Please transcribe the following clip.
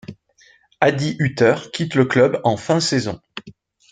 Adi Hütter quitte le club en fin saison.